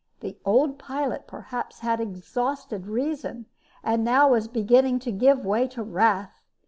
The old pilot perhaps had exhausted reason, and now was beginning to give way to wrath.